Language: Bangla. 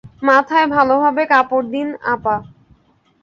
মাথায় ভালোভাবে কাপড় দিন, আপা।